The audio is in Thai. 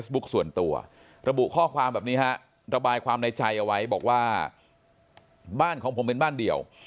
บ้านของผมเป็นบ้านเดียว